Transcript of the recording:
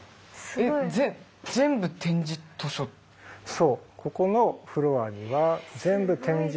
そう。